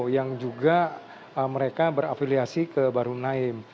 yang juga mereka berafiliasi ke bahru naim